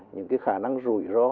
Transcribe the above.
những khả năng rủi ro